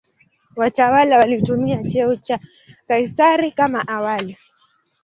Watawala walitumia cheo cha "Kaisari" kama awali.